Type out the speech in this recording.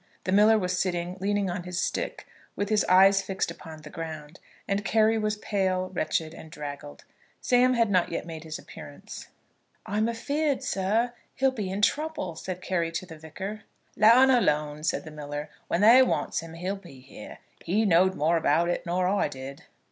The miller was sitting, leaning on his stick, with his eyes fixed upon the ground, and Carry was pale, wretched, and draggled. Sam had not yet made his appearance. "I'm afeard, sir, he'll be in trouble," said Carry to the Vicar. "Let 'un alone," said the miller; "when they wants 'im he'll be here. He know'd more about it nor I did."